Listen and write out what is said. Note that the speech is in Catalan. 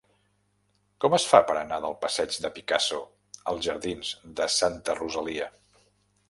Com es fa per anar del passeig de Picasso als jardins de Santa Rosalia?